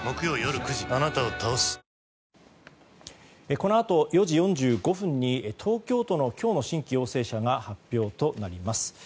このあと４時４５分に東京都の今日の新規陽性者が発表となります。